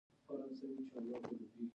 خپلې تڼاکې مې لوستي، ترشبستان ولاړمه